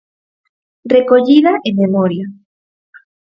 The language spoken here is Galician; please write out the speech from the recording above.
Recollida e memoria.